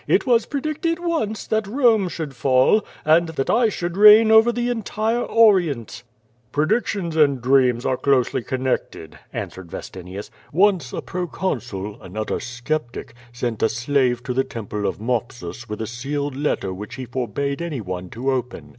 "It was predicted once that Eome should fall, and that I should reign over the en tire Orient/' "Predictions and dreams are closely connected,'' answered Vestinius. "Once a pro consul, an utter skeptic, sent a slave to the Temple of Mopsus with a sealed letter which he for bade any one to open.